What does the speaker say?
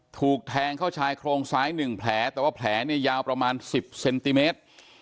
ถูกแทงเข้าชายโครงซ้าย๑แผลแต่ว่าแผลเนี่ยยาวประมาณ๑๐เซนติเมตร